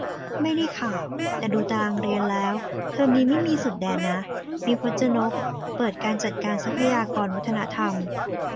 ไม่ได้ข่าว แต่ดูตารางเรียนแล้ว เทอมนี้ไม่มีสุดแดนนะ มี พจนก เปิด 'การจัดการทรัพยากรวัฒนธรรม'